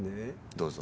どうぞ。